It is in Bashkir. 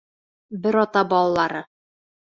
Бер ата балалары.